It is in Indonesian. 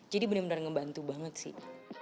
jadi bener bener ngebantu banget sih